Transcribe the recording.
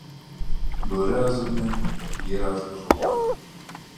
Бөрі азығы мен ер азығы жолда.